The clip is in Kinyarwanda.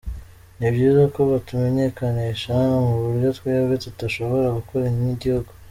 Ni byiza ko batumenyekanisha mu buryo twebwe tutashobora gukora nk’igihugu.